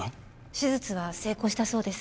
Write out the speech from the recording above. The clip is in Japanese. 手術は成功したそうです。